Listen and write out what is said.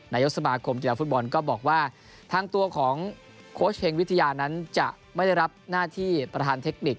นายกสมาคมกีฬาฟุตบอลก็บอกว่าทางตัวของโค้ชเฮงวิทยานั้นจะไม่ได้รับหน้าที่ประธานเทคนิค